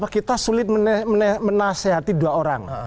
kita sulit menasehati dua orang